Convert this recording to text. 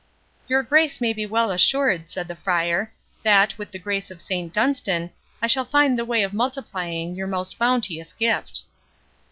"Your Grace may be well assured," said the Friar, "that, with the grace of Saint Dunstan, I shall find the way of multiplying your most bounteous gift."